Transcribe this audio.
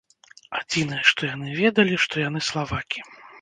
Адзінае, што яны ведалі, што яны славакі.